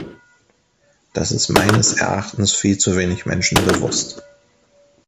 Das ist meines Erachtens viel zu wenig Menschen bewusst.